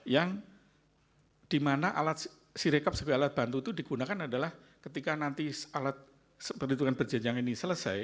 yang dimana alat sirekap sebagai alat bantu itu digunakan adalah ketika nanti alat perhitungan berjenjang ini selesai